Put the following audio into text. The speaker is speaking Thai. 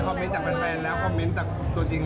ก่อนต้องได้เห็นก่อนพี่ก็ลง